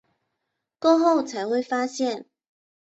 过后才会发现